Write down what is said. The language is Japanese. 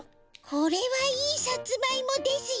これはいいサツマイモですよ。